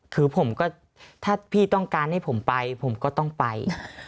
คือผมก็ถ้าพี่ต้องการให้ผมไปผมก็ต้องไป